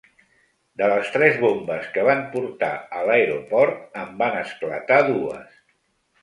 De les tres bombes que van portar a l’aeroport, en van esclatar dues.